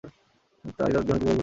তাই তাঁরা দুহাত ভরে ভোট দিয়েছেন।